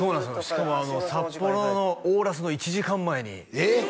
しかも札幌のオーラスの１時間前にえっ？